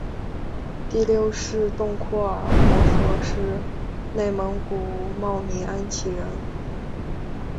第六世洞阔尔活佛是内蒙古茂明安旗人。